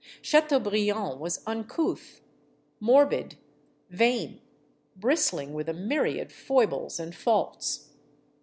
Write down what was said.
Chateaubriand was uncouth, morbid, vain, bristling with a myriad foibles and faults.